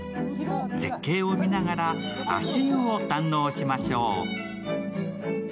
絶景を見ながら足湯を堪能しましょう。